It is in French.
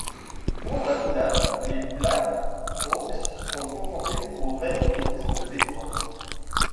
Pour la finale, les Black Hawks sont confrontés aux Red Wings de Détroit.